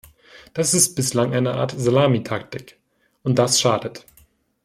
Das ist bislang eine Art Salamitaktik, und das schadet.